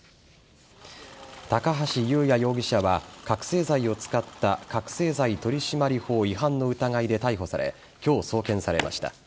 高橋祐也容疑者は覚醒剤を使った覚せい剤取締法違反の疑いで逮捕され今日送検されました。